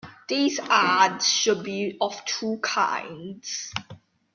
These ards should be of two kinds.